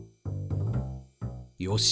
よし。